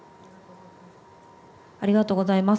ありがとうございます。